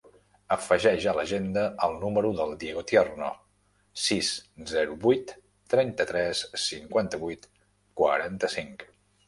Afegeix a l'agenda el número del Diego Tierno: sis, zero, vuit, trenta-tres, cinquanta-vuit, quaranta-cinc.